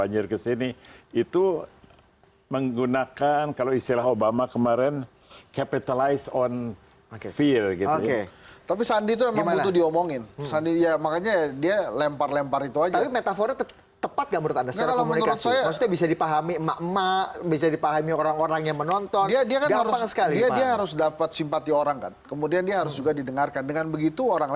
jokowi dan sandi